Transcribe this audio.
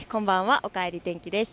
おかえり天気です。